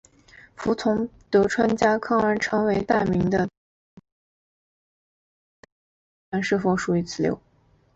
服从德川家康而成为大名的太田氏支流则不能判断是否属于此流。